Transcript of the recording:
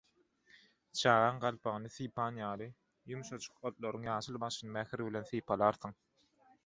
Çagaň galpagyny sypan ýaly, ýumşajyk otlaryň ýaşyl başyny mähir bilen sypalarsyň.